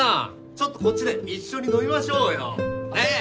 ちょっとこっちで一緒に飲みましょうよねえ